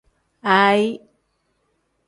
Aayi.